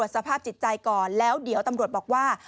สภาพจิตใจก่อนแล้วเดี๋ยวตำรวจบอกว่า